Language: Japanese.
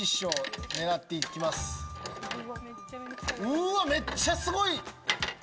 うわっめっちゃすごい！